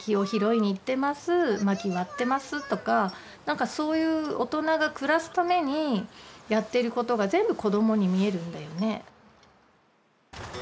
まき割ってますとか何かそういう大人が暮らすためにやっていることが全部子どもに見えるんだよね。